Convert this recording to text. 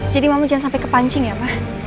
jadi mama jangan sampai kepancing ya ma